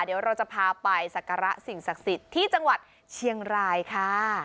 เดี๋ยวเราจะพาไปสักการะสิ่งศักดิ์สิทธิ์ที่จังหวัดเชียงรายค่ะ